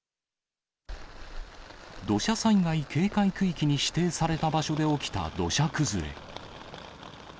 土砂災害警戒区域に指定された場所で起きた土砂崩れ。